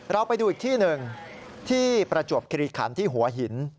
เราไปดูอีกที่หนึ่งที่ประจวบคิริขันที่หัวหิน